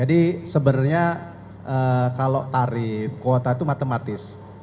jadi sebenarnya kalau tarif kuota itu matematis